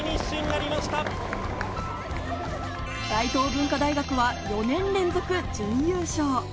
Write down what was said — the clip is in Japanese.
大東文化大学は４年連続準優勝。